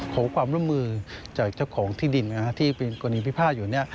ขอความร่ำมือจากเจ้าของที่ดินที่เป็นกลุ่มงานพิพาสอยู่